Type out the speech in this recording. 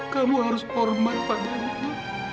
kamu harus hormat pada itu